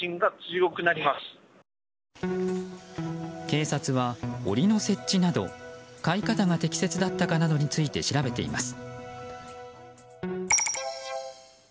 警察は、檻の設置など飼い方が適切だったかなどについて調べています。